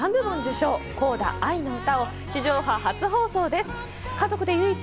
３部門受賞、『Ｃｏｄａコーダあいのうた』を地上波初放送です。